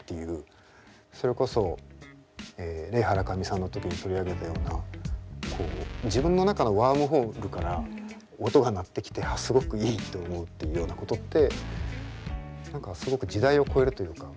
それこそレイ・ハラカミさんの時に取り上げたようなこう自分の中のワームホールから音が鳴ってきてすごくいいって思うっていうようなことって何かすごく時代を超えるというか。